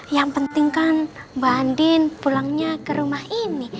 yang penting kan mbak andin pulangnya ke rumah ini